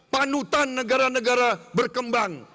panutan negara negara berkembang